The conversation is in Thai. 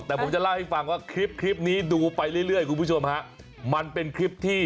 แต่ผมจะเล่าให้ฟังว่าคลิปคลิปนี้ดูไปเรื่อยคุณผู้ชมฮะมันเป็นคลิปที่